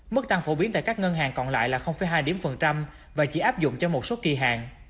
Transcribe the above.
mức tăng phổ biến tại các ngân hàng còn lại là hai điểm phần trăm và chỉ áp dụng cho một số kỳ hàng